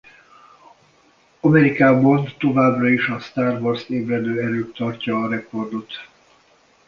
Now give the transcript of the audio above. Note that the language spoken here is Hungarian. Amerikában továbbra is a Star Wars-Ébredő erő tartja a rekordot.